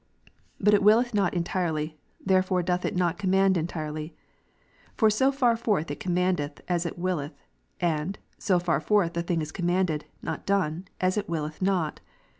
But it willeth not entirely: therefore doth it not command entirely. For so far forth it commandeth, as it willeth : and, so far forth is the thing commanded, not done, as it willeth not.